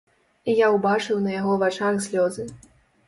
І я ўбачыў на яго вачах слёзы.